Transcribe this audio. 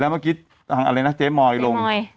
แล้วเมื่อกี้ทางอะไรนะเจ๊มอยลงเจ๊มอย